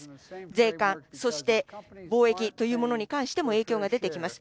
税関、そして貿易に関しても影響が出てきます。